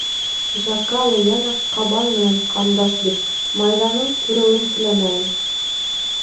— Джакала йәнә ҡабан менән ҡандаш бит, Майҙаның күреүен теләмәйем...